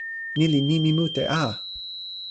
ni li nimi mute a!